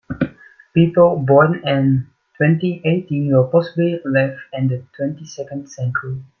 People born in twenty-eighteen will possibly live into the twenty-second century.